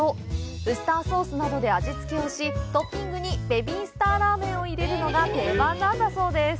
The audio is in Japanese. ウスターソースなどで味付けをしトッピングにベビースターラーメンを入れるのが定番なんだそうです。